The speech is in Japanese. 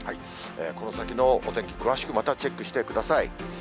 この先のお天気、詳しくまたチェックしてください。